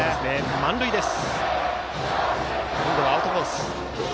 満塁です。